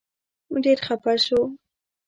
ډېر خپه شو.